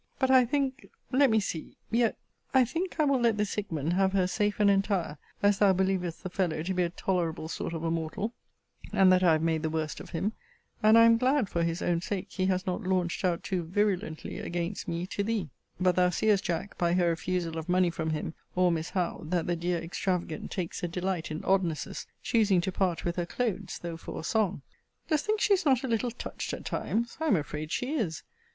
But, I think let me see yet, I think, I will let this Hickman have her safe and entire, as thou believest the fellow to be a tolerable sort of a mortal, and that I have made the worst of him: and I am glad, for his own sake, he has not launched out too virulently against me to thee. * See Vol. IV. Letter LIV. But thou seest, Jack, by her refusal of money from him, or Miss Howe,* that the dear extravagant takes a delight in oddnesses, choosing to part with her clothes, though for a song. Dost think she is not a little touched at times? I am afraid she is.